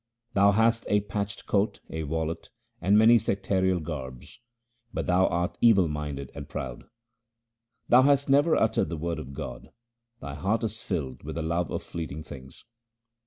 Thou hast a patched coat, a wallet, and many sectarial garbs, but thou art evil minded and proud. Thou hast never uttered the Word of God ; thy heart is filled with the love of fleeting things.